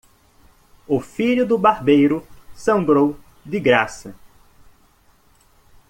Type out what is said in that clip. O filho do barbeiro sangrou de graça.